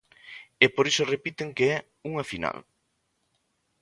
E por iso repiten que é unha final.